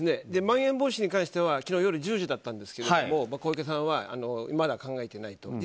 まん延防止に関しては昨日夜１０時だったんですが小池さんはまだ考えていないと。